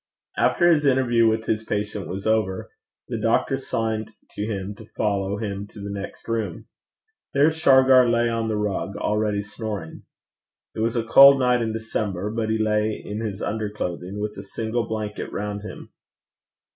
After his interview with his patient was over, the doctor signed to him to follow him to the next room. There Shargar lay on the rug already snoring. It was a cold night in December, but he lay in his under clothing, with a single blanket round him.